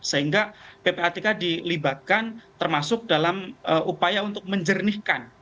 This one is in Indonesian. sehingga ppatk dilibatkan termasuk dalam upaya untuk menjernihkan